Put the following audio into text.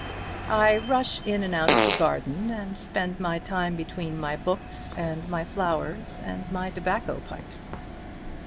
"I rush in and out of the garden and spend my time between my books and my flowers and my tobacco pipes."